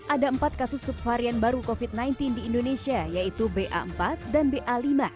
ada empat kasus subvarian baru covid sembilan belas di indonesia yaitu ba empat dan ba lima